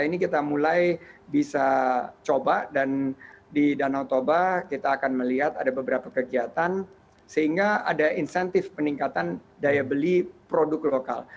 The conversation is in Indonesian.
ini kita mulai bisa coba dan di danau toba kita akan melihat ada beberapa kegiatan sehingga ada insentif peningkatan daya beli produk lokal